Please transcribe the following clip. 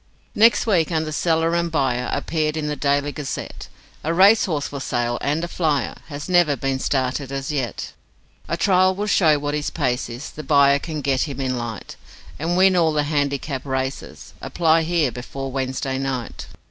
..... Next week, under 'Seller and Buyer', Appeared in the DAILY GAZETTE: 'A racehorse for sale, and a flyer; Has never been started as yet; A trial will show what his pace is; The buyer can get him in light, And win all the handicap races. Apply here before Wednesday night.'